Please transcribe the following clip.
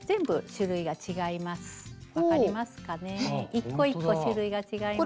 一個一個種類が違います。